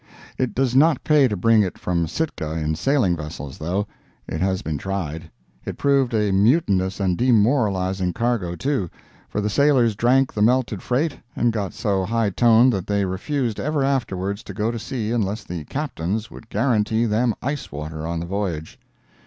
It does not pay to bring it from Sitka in sailing vessels, though. It has been tried. It proved a mutinous and demoralizing cargo, too; for the sailors drank the melted freight and got so high toned that they refused ever afterwards to go to sea unless the Captains would guarantee them ice water on the voyage.